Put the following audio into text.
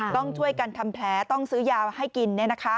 ต้องช่วยกันทำแผลต้องซื้อยาให้กิน